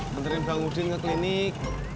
benerin bang udin ke klinik